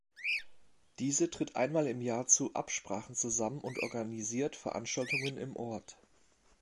Diese tritt einmal im Jahr zu Absprachen zusammen und organisiert Veranstaltungen im Ort.